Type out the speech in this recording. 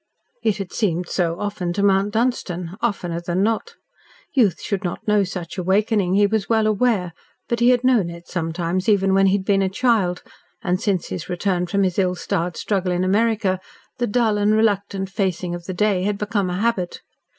It had seemed so often to Mount Dunstan oftener than not. Youth should not know such awakening, he was well aware; but he had known it sometimes even when he had been a child, and since his return from his ill starred struggle in America, the dull and reluctant facing of the day had become a habit.